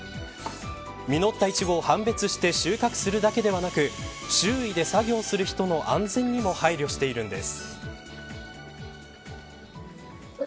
実ったイチゴを判別して収穫するだけでなく周囲で作業する人の安全にも配慮しているんです。